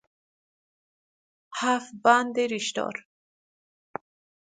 هفت بند ریش دار